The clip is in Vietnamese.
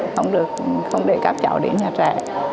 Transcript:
không để các cháu đến nhà trẻ